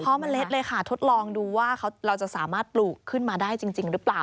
เพราะเมล็ดเลยค่ะทดลองดูว่าเราจะสามารถปลูกขึ้นมาได้จริงหรือเปล่า